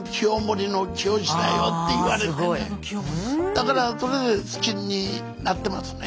だからそれで好きになってますね。